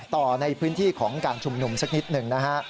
ต่อในพื้นที่ของการชุมนุมสักนิดหนึ่งนะฮะ